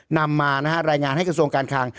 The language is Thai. นำมานะฮะรายงานให้กระทรวงการคลัง